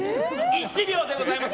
１秒でございます。